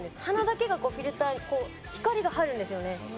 鼻だけがこうフィルターに光が入るんですよね。